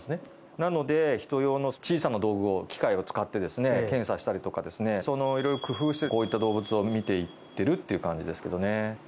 なので人用の小さな道具を使って検査したりとか色々工夫して、こういった動物を診ていってるって感じですけどね。